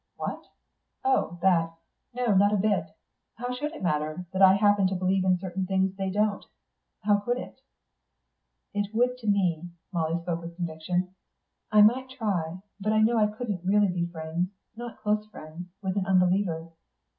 "What? Oh, that. No, not a bit. How should it matter, that I happen to believe certain things they don't? How could it?" "It would to me." Molly spoke with conviction. "I might try, but I know I couldn't really be friends not close friends with an unbeliever."